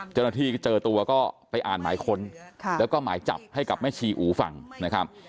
เจ้าหน้าที่เจอตัวก็ไปอ่านหมายค้นแล้วก็หมายจับให้กับแม่ชีอูฟังนะครับ